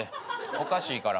おかしいから。